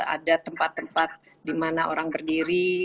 ada tempat tempat dimana orang berdiri